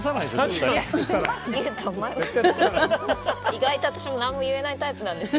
意外と私も何も言えないタイプなんです。